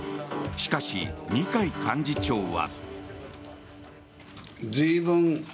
しかし、二階幹事長は。